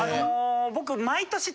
僕。